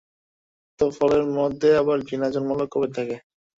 তো ফলের মধ্যে আবার ঘৃণা জন্মালো কবে থেকে?